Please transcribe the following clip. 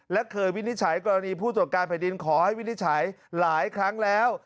และเคยวินิจฉัยกรณีผู้ตรวจการแผ่นดินขอให้วินิจฉัยหลายครั้งแล้ว